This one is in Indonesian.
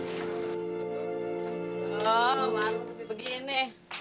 loh harusnya begini